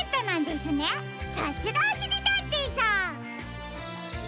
さすがおしりたんていさん！